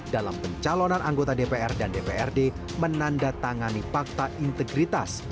dalam pencalonan anggota dpr dan dprd menandatangani fakta integritas